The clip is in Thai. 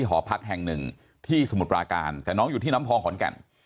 หอพักแห่งหนึ่งที่สมุทรปราการแต่น้องอยู่ที่น้ำพองขอนแก่น